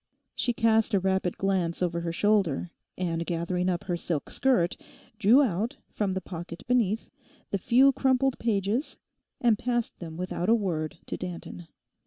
She cast a rapid glance over her shoulder, and gathering up her silk skirt, drew out, from the pocket beneath, the few crumpled pages, and passed them without a word to Danton.